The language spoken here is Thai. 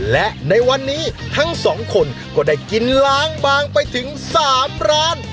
และในวันนี้ทั้งสองคนก็ได้กินล้างบางไปถึง๓ร้าน